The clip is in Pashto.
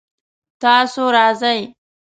تاسو راځئ؟